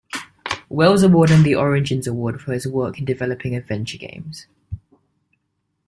Wells award and the Origins award for his work in developing adventure games.